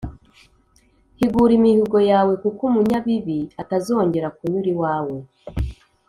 higura imihigo yawe kuko umunyabibi atazongera kunyura iwawe